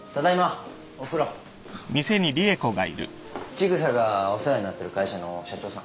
千草がお世話になってる会社の社長さん。